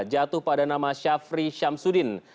jatuh pada nama syafri syamsuddin